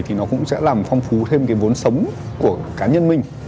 thì nó cũng sẽ làm phong phú thêm cái vốn sống của cá nhân mình